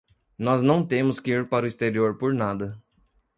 Nós não temos que ir para o exterior por nada.